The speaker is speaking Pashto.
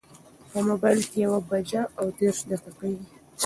په مبایل کې یوه بجه او دېرش دقیقې وې.